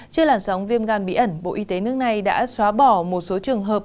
trên làn sóng viêm gan bí ẩn bộ y tế nước này đã xóa bỏ một số trường hợp